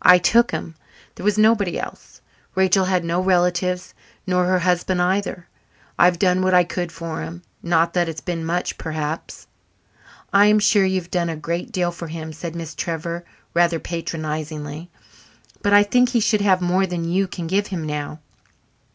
I took him. There was nobody else. Rachel had no relatives nor her husband either. I've done what I could for him not that it's been much, perhaps." "I am sure you have done a great deal for him," said Miss Trevor rather patronizingly. "But I think he should have more than you can give him now.